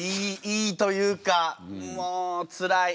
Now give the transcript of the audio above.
いいというかもうつらい。